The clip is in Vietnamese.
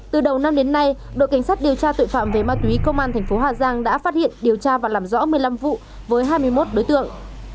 từ đầu năm đến nay đội cảnh sát điều tra tội phạm về ma túy công an thành phố hà giang đã phát hiện điều tra và làm rõ một mươi năm vụ với hai mươi một đối tượng